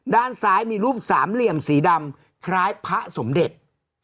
ด้านซ้ายมีรูปสามเหลี่ยมสีดำคล้ายพระสมเด็จ